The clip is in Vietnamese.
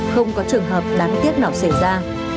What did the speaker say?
không có trường hợp đáng tiếc nào xảy ra